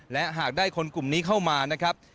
และหากได้คนกลุ่มนี้เข้ามานะครับ